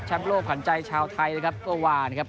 โลกขวัญใจชาวไทยนะครับก็ว่านะครับ